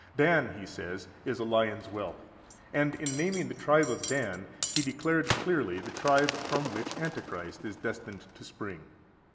"Dan," he says, "is a lion's whelp;" and in naming the tribe of Dan, he declared clearly the tribe from which Antichrist is destined to spring.